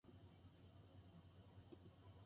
今日はたくさん寝よう